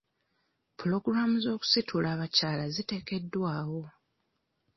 Pulogulaamu z'okusitula abakyala ziteekeddwawo.